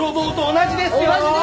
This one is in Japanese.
同じですよ！